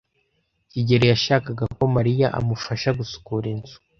kigeli yashakaga ko Mariya amufasha gusukura inzu.